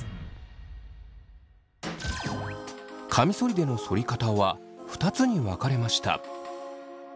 カミソリでのそり方は２つに分かれました。